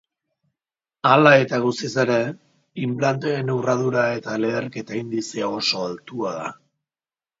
Hala eta guztiz ere, inplanteen urradura eta leherketa indizea oso altua da.